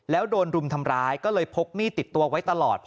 แล้วโดนรุมทำร้ายก็เลยพกมีดติดตัวไว้ตลอด